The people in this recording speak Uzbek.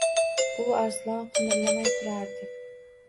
U Arslon qimirlamay turardi.